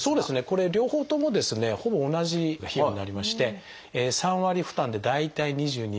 これ両方ともですねほぼ同じ費用になりまして３割負担で大体２２万円程度です。